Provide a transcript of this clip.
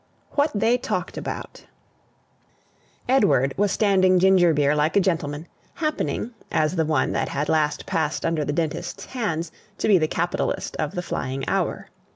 WHAT THEY TALKED ABOUT Edward was standing ginger beer like a gentleman, happening, as the one that had last passed under the dentist's hands, to be the capitalist of the flying hour.